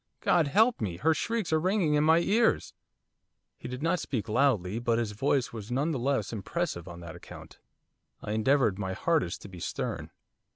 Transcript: God help me! Her shrieks are ringing in my ears!' He did not speak loudly, but his voice was none the less impressive on that account. I endeavoured my hardest to be stern.